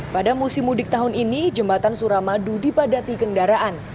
pada musim mudik tahun ini jembatan suramadu dipadati kendaraan